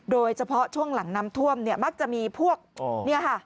โดยเฉพาะช่วงหลังน้ำท่วมเนี่ยมักจะมีพวกเนี่ยค่ะ